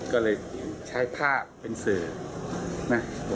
ก็เลยใช้ผ้าเป็นเสือนะ